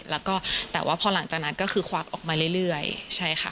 แล้วก็แต่ว่าพอหลังจากนั้นก็คือควักออกมาเรื่อยใช่ค่ะ